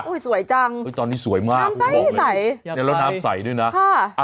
อุ้ยสวยจังตอนนี้สวยมากน้ำใสไม่ใสแล้วน้ำใสด้วยนะค่ะ